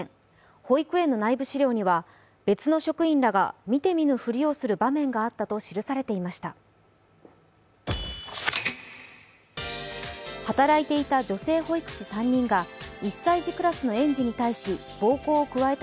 保育園の内部資料には別の職員らが見て見ぬふりをする場面があったと記されていました。